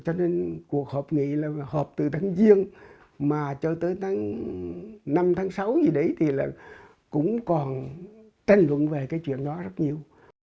cho nên cuộc họp nghị là họp từ tháng giêng mà cho tới tháng năm tháng sáu gì đấy thì là cũng còn tranh luận về cái chuyện đó rất nhiều